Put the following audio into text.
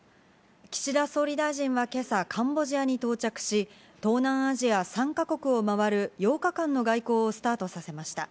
岸田総理大臣は今朝カンボジアに到着し、東南アジア３ヶ国を回る８日間の外交をスタートさせました。